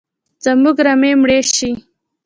زموږ رمې مړي شي